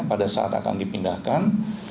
pada saat akan dipindahkan